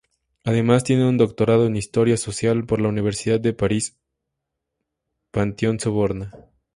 Además tiene un Doctorado en Historia Social por la Universidad de París I, Panteón-Sorbona.